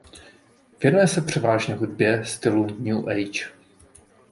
Věnuje se převážně hudbě stylu new age.